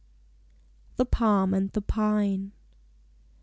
THE PALM AND THE PINE.